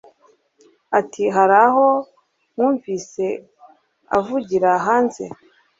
Ati Hari aho mwumvise avugira hanze